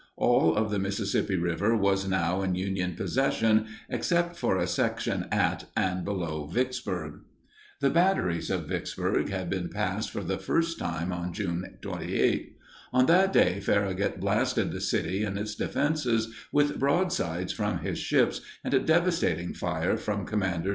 All of the Mississippi River was now in Union possession, except for a section at and below Vicksburg. The batteries of Vicksburg had been passed for the first time on June 28. On that day Farragut blasted the city and its defenses with broadsides from his ships and a devastating fire from Comdr.